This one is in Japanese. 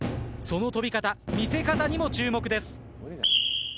その跳び方見せ方にも注目です。